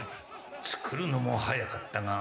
つくるのも早かったが。